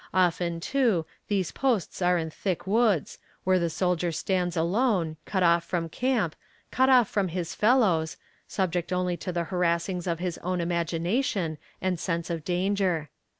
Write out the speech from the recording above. Often, too, these posts are in thick woods, where the soldier stands alone, cut off from camp, cut off from his fellows, subject only to the harrassings of his own imagination and sense of danger.